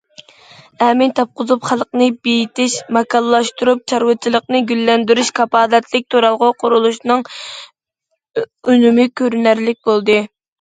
ئەمىن تاپقۇزۇپ خەلقنى بېيىتىش، ماكانلاشتۇرۇپ چارۋىچىلىقنى گۈللەندۈرۈش، كاپالەتلىك تۇرالغۇ قۇرۇلۇشىنىڭ ئۈنۈمى كۆرۈنەرلىك بولدى.